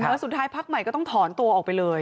แล้วสุดท้ายพักใหม่ก็ต้องถอนตัวออกไปเลย